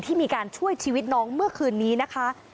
ที่มีการช่วยชีวิตน้องเมื่อคืนนี้นะคะ